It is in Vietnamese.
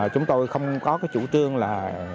chúng tôi không có chủ trương là